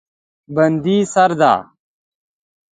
بندي سرده